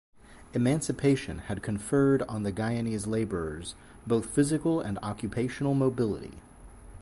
Emancipation had conferred on the Guianese laborers both physical and occupational mobility.